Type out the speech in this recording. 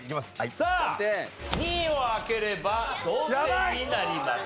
さあ２位を開ければ同点になります。